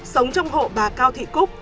sống trong hộ bà cao thị cúc